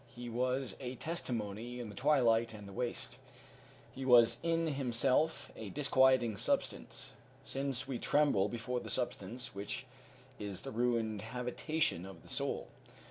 He was a testimony in the twilight and the waste. He was in himself a disquieting substance, since we tremble before the substance which is the ruined habitation of the soul.